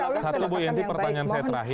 mohon doanya semuanya lah